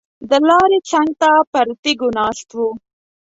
د لارې څنګ ته پر تیږو ناست وو.